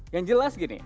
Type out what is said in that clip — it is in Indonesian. yang jelas gini